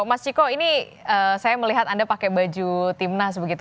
mas ciko ini saya melihat anda pakai baju timnas begitu